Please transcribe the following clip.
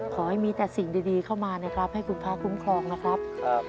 ขอให้มีแต่สิ่งดีเข้ามานะครับให้คุณพระคุ้มครองนะครับ